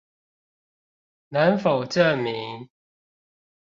能否證明